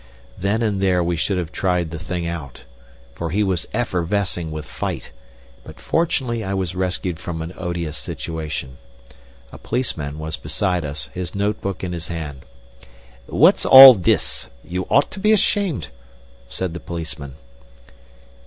Then and there we should have tried the thing out, for he was effervescing with fight, but fortunately I was rescued from an odious situation. A policeman was beside us, his notebook in his hand. "What's all this? You ought to be ashamed" said the policeman.